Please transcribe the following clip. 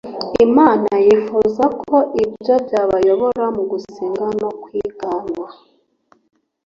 Imana yifuzaga ko ibyo byabayobora mu gusenga no kwigana